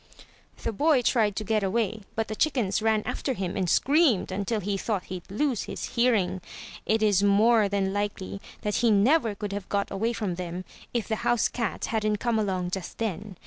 '* The boy tried to get away, but the chickens ran after him and screamed imtil he thought he'd lose his hearing. It is more than likely that he never could have got away from them if the house cat hadn't come along just then.